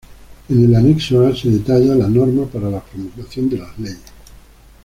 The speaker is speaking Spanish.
En el anexo A se detalla las normas para la promulgación de las leyes.